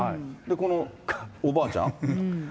このおばあちゃん。